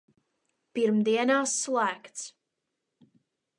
Pirmdienās slēgts!